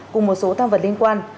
cùng một số tăng vật liên quan